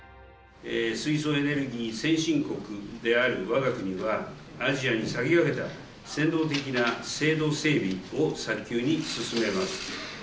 水素エネルギー先進国であるわが国は、アジアに先駆けた先導的な制度整備を早急に進めます。